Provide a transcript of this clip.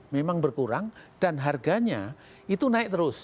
memang berkurang dan harganya itu naik terus